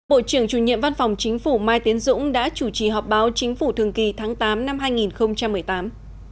bộ trưởng chủ nhiệm văn phòng chính phủ mai tiến dũng đã chủ trì họp báo chính phủ thường kỳ tháng tám năm hai nghìn một mươi tám